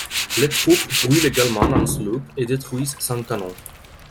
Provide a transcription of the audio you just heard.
Les troupes brulent également un sloop et détruisent cinq canons.